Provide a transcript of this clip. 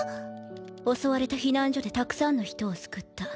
襲われた避難所でたくさんの人を救った。